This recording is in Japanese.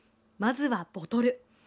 まずは、ボトル。